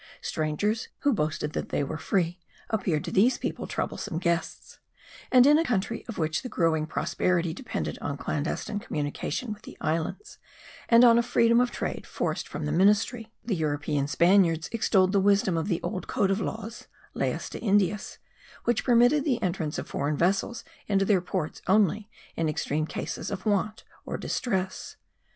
Strangers, who boasted that they were free, appeared to these people troublesome guests; and in a country of which the growing prosperity depended on clandestine communication with the islands, and on a freedom of trade forced from the ministry, the European Spaniards extolled the wisdom of the old code of laws (leyes de Indias) which permitted the entrance of foreign vessels into their ports only in extreme cases of want or distress.